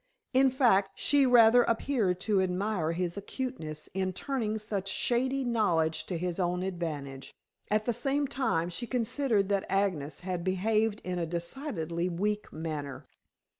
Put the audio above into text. In fact, she rather appeared to admire his acuteness in turning such shady knowledge to his own advantage. At the same time, she considered that Agnes had behaved in a decidedly weak manner.